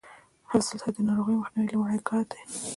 حفظ الصحه د ناروغیو مخنیوي لومړنی ګام دی.